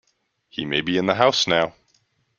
He may be in the house now!